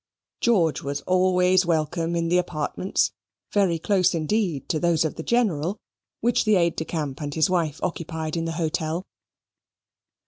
George was always welcome in the apartments (very close indeed to those of the General) which the aide de camp and his wife occupied in the hotel.